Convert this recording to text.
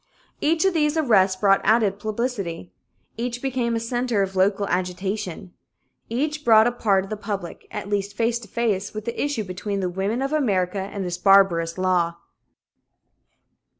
Each of these arrests brought added publicity. Each became a center of local agitation. Each brought a part of the public, at least, face to face with the issue between the women of America and this barbarous law.